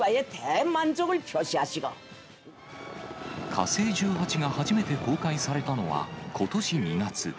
火星１８が初めて公開されたのは、ことし２月。